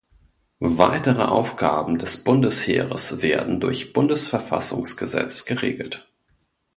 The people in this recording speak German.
Weitere Aufgaben des Bundesheeres werden durch Bundesverfassungsgesetz geregelt.